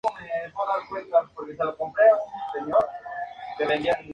La conjura fue reducida y Campanella se hizo pasar por loco.